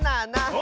あ！